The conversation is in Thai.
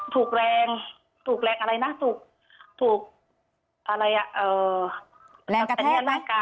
ถูกแรง